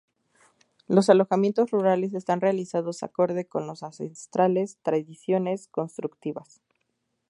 Los alojamientos rurales están realizados acorde con las ancestrales tradiciones constructivas.